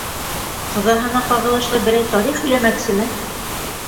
Ҡоҙаһына ҡағылышлы берәй тарих һөйләмәксеме?